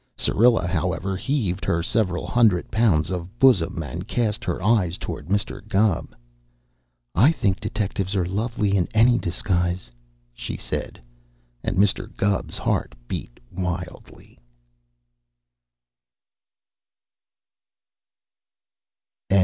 Syrilla, however, heaved her several hundred pounds of bosom and cast her eyes toward Mr. Gubb. "I think detectives are lovely in any disguise," she said, and Mr. Gubb's heart beat wildly.